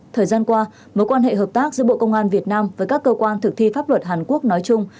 thời gian qua mối quan hệ hợp tác giữa bộ công an việt nam với các cơ quan thực thi pháp luật hàn quốc nói chung